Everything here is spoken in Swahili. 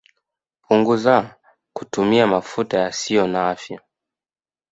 Punguzaa kutumia mafuta yasiyo na afya